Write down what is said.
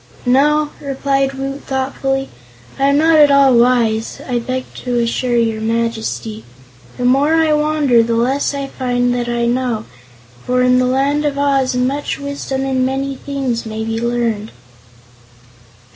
"No," replied Woot, thoughtfully, "I am not at all wise, I beg to assure your Majesty. The more I wander the less I find that I know, for in the Land of Oz much wisdom and many things may be learned."